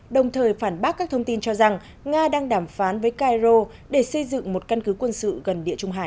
đồng thời phản bác các thông tin cho rằng nga đang đàm phán với cairo để xây dựng một căn cứ quân sự gần địa trung hải